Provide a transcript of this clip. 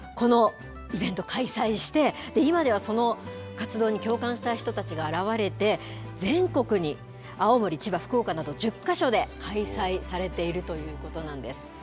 このイベントを開催して今ではその活動に共感した人たちが現れて全国に青森、千葉、福岡など１０か所で開催されているということなんです。